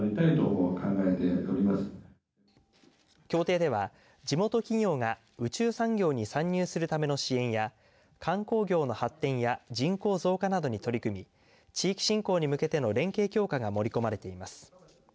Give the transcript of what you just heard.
協定では地元企業が宇宙産業に参入するための支援や観光業の発展や人口増加などに取り組み地域振興に向けての連携強化が盛り込まれています。